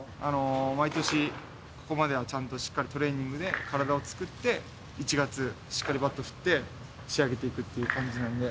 毎年、ここまではちゃんとしっかりトレーニングで体を作って、１月、しっかりバット振って、仕上げていくっていう感じなんで。